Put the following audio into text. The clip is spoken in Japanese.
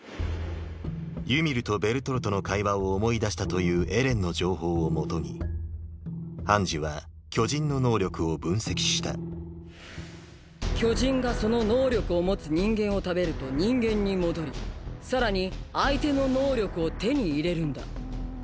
ユミルとベルトルトの会話を思い出したというエレンの情報をもとにハンジは巨人の能力を分析した巨人がその能力を持つ人間を食べると人間に戻りさらに相手の能力を手に入れるんだ。